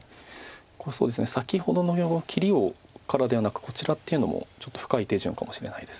先ほどのような切りからではなくこちらっていうのもちょっと深い手順かもしれないです。